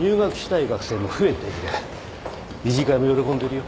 理事会も喜んでるよ。